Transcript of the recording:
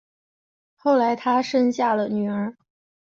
后来他生下了女儿